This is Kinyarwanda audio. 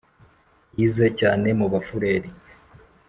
Yize cyane mu Bafureri!